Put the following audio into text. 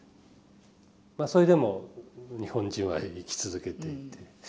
それでも日本人は生き続けていて。